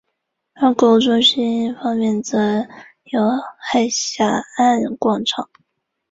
而购物中心方面则有海峡岸广场。